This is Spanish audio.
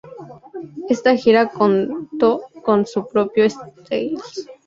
Esta gira contó con su propio setlist.